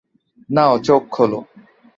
নাও চোখ খোলো।